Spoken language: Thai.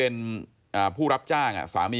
ขอบคุณครับและขอบคุณครับ